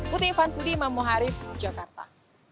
putri vanfudi mamuharif jakarta